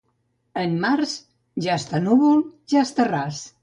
En març, ja està núvol, ja està ras.